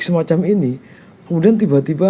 semacam ini kemudian tiba tiba